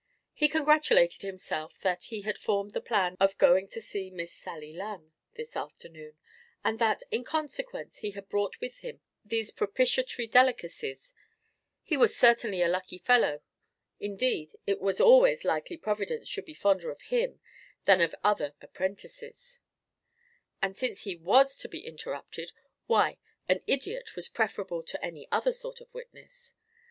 He congratulated himself that he had formed the plan of going to see Miss Sally Lunn this afternoon, and that, as a consequence, he had brought with him these propitiatory delicacies: he was certainly a lucky fellow; indeed, it was always likely Providence should be fonder of him than of other apprentices, and since he was to be interrupted, why, an idiot was preferable to any other sort of witness.